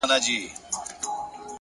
• رباب ګونګی سو مطربان مړه سول ,